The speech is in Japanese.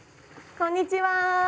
こんにちは。